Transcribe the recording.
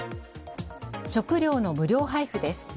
食料の無料配布です。